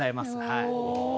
はい。